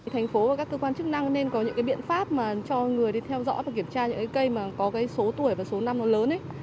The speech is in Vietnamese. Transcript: thành phố và các cơ quan chức năng nên có những biện pháp cho người theo dõi và kiểm tra những cây có số tuổi và số năm lớn